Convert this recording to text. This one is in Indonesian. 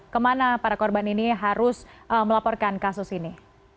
kemana para korban ini harus melaporkan kasus ini